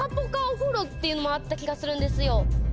っていうのもあった気がするんですよ。